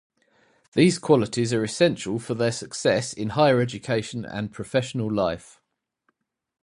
These qualities are essential for their success in higher education and professional life.